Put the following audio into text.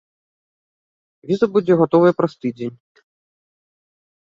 Віза будзе гатовая праз тыдзень.